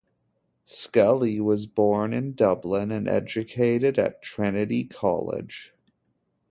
Scully was born in Dublin and educated at Trinity College.